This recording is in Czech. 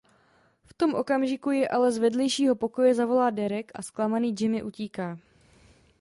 V tom okamžiku ji ale z vedlejšího pokoje zavolá Derek a zklamaný Jimmy utíká.